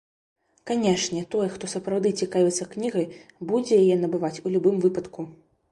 Канешне, той, хто сапраўды цікавіцца кнігай, будзе яе набываць у любым выпадку.